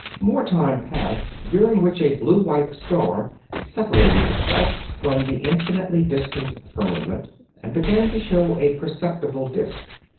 More time passed, during which a blue white star separated itself from the infinitely distant firmament and began to show a perceptible disk.